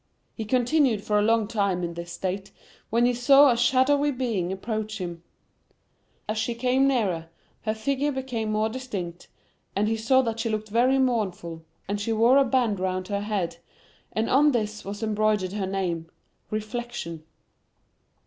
He continued for a long time in this state, when he saw a shadowy being approaching him. As she came nearer, her figure became more dis[Pg 10]tinct, and he saw that she looked very mournful, and she wore a band round her head, and on this was embroidered her name, Reflection.